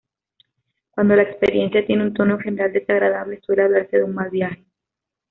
Cuando la experiencia tiene un tono general desagradable, suele hablarse de un "mal viaje".